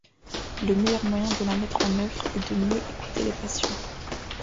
Le meilleur moyen de la mettre en œuvre est de mieux écouter les patients.